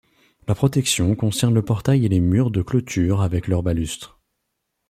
La protection concerne le portail et les murs de clôture avec leurs balustres.